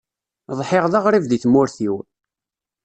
Ḍḥiɣ d aɣrib di tmurt-iw.